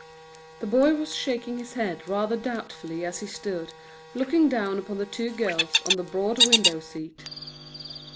The boy was shaking his head rather doubtfully as he stood, looking down upon the two girls on the broad window seat.